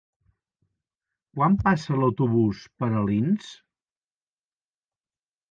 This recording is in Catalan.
Quan passa l'autobús per Alins?